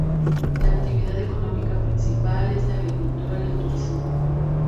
La actividad económica principal es la agricultura y el turismo.